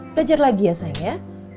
belajar lagi ya sayang ya